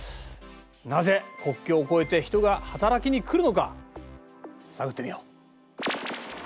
なぜ国境を越えて人が働きに来るのか探ってみよう。